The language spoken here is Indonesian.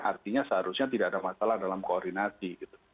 artinya seharusnya tidak ada masalah dalam koordinasi